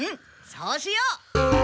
そうしよう！